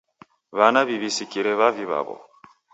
W'ana w'iw'isikire w'avi w'aw'o.